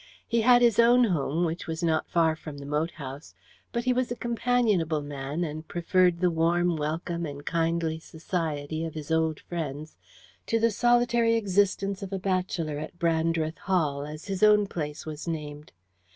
He had his own home, which was not far from the moat house, but he was a companionable man, and preferred the warm welcome and kindly society of his old friends to the solitary existence of a bachelor at Brandreth Hall, as his own place was named.